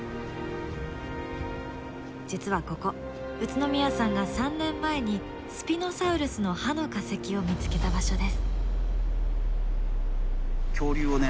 実はここ宇都宮さんが３年前にスピノサウルスの歯の化石を見つけた場所です。